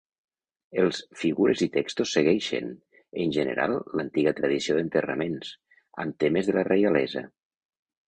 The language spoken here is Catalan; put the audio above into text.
Els figures i textos segueixen, en general, l'antiga tradició d'enterraments, amb temes de la reialesa.